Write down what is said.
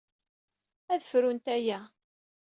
Ad frunt aya.